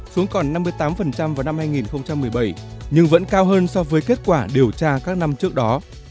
xuống còn năm mươi tám vào năm hai nghìn một mươi bảy nhưng vẫn cao hơn so với kết quả điều tra các năm trước đó